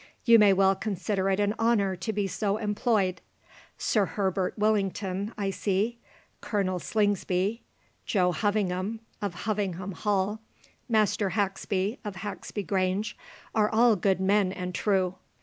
You may well consider it an honour to be so employed. Sir Herbert Willington, I see; Colonel Slingsby, Joe Hovingham of Hovingham Hall, Master Haxby of Haxby Grange, are all good men and true.